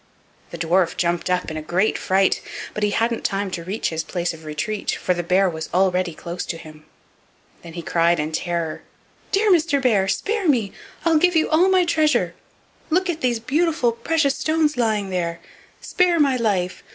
The dwarf jumped up in great fright, but he hadn't time to reach his place of retreat, for the bear was already close to him. Then he cried in terror: "Dear Mr. Bear, spare me! I'll give you all my treasure. Look at those beautiful precious stones lying there. Spare my life!